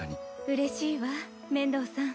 うれしいわ面堂さん。